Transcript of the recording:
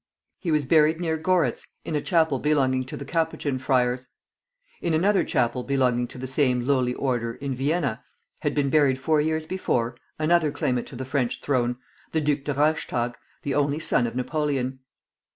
He was buried near Goritz, in a chapel belonging to the Capuchin Friars. In another chapel belonging to the same lowly order in Vienna, had been buried four years before, another claimant to the French throne, the Duc de Reichstadt, the only son of Napoleon.